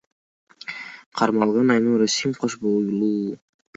Кармалган Айнура Сим кош бойлуу.